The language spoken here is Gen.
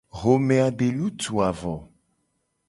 Xome a de lutuu a vo.